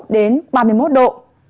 đến ba mươi một độ